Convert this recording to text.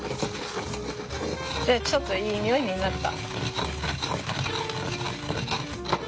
でちょっといい匂いになった！